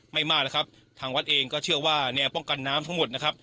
ไม่มากแล้วครับทางวัดเองก็เชื่อว่าแนวป้องกันน้ำทั้งหมดนะครับ